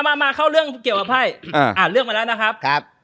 มามาเข้าเรื่องเกี่ยวกับไพ่อ่าเลือกมาแล้วนะครับ